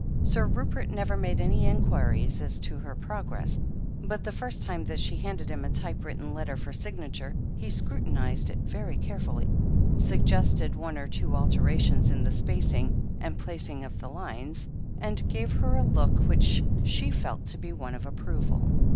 Sir Rupert never made any inquiries as to her prog ress, but the first time that she handed him a type written letter for signature, he scrutinized it very carefully, suggested one or two alterations in the spacing and placing of the lines, and gave her a look which she felt to be one of approval.